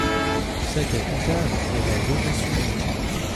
Sa capitale est la ville de Soumy.